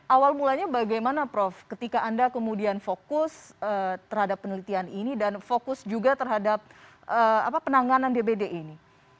awal mulanya bagaimana prof ketika anda kemudian fokus terhadap penelitian ini dan fokus juga terhadap penanganan dbd ini